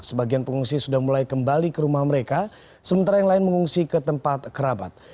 sebagian pengungsi sudah mulai kembali ke rumah mereka sementara yang lain mengungsi ke tempat kerabat